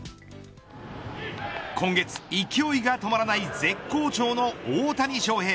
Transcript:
今月、勢いが止まらない絶好調の大谷翔平。